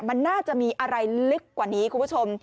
มันน่าจะมีอะไรลึกกว่านี้คุณผู้ชม